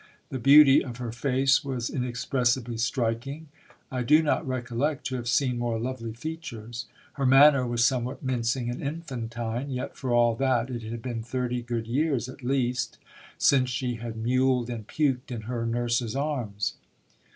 The beauty of her face was inexpressibly striking ; I do not recollect to have seen more lovely features. Her manner was somewhat mincing and infantine, yet for all that it had been thirty good years at least since she had mewled and puked in her nurse's arms.